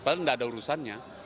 padahal tidak ada urusannya